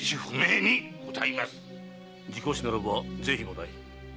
事故死ならば是非もない。